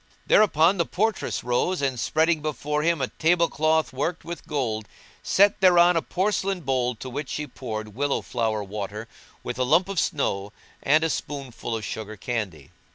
Thereupon the portress rose and spreading before him a table cloth worked with gold, set thereon a porcelain bowl into which she poured willow flower water with a lump of snow and a spoonful of sugar candy.